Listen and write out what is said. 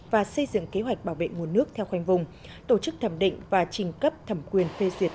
và xây dựng kế hoạch bảo vệ nguồn nước theo khoanh vùng tổ chức thẩm định và trình cấp thẩm quyền phê duyệt